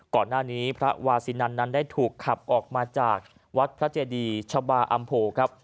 ก่อนหน้านี้พระวาซินันนั้นได้ถูกขับออกมาจากวัดพระเจดีชบาอำโพครับ